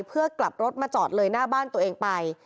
เพื่อกลับรถมาจอดเลยหน้าบ้านตัวเองไป